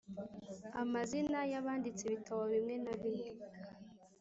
Amazina y abanditse ibitabo bimwe na bimwe